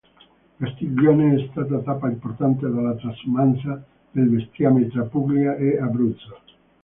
Castiglione è stata tappa importante della transumanza del bestiame tra Puglia e Abruzzo.